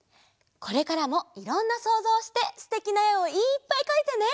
これからもいろんなそうぞうをしてすてきなえをいっぱいかいてね。